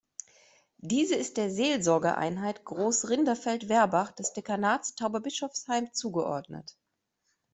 Diese ist der Seelsorgeeinheit Großrinderfeld-Werbach des Dekanats Tauberbischofsheim zugeordnet.